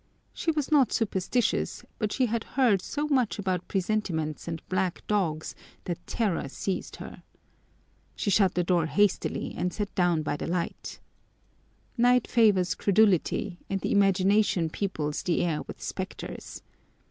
She was not superstitious, but she had heard so much about presentiments and black dogs that terror seized her. She shut the door hastily and sat down by the light. Night favors credulity and the imagination peoples the air with specters.